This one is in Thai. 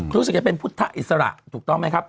รู้สึกจะเป็นพุทธอิสระถูกต้องไหมครับ